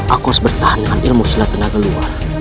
aku harus bertahan dengan ilmu silat tenaga luar